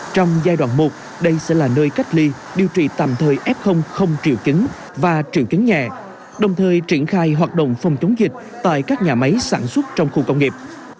trong giai đoạn một đây sẽ là nơi cách ly điều trị tạm thời f không triệu chứng và triệu chứng nhẹ đồng thời triển khai hoạt động phòng chống dịch tại các nhà máy sản xuất trong khu công nghiệp